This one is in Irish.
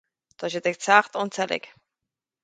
tá siad ag teacht ón tseilg